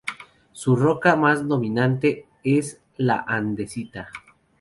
Su roca más dominante es la andesita.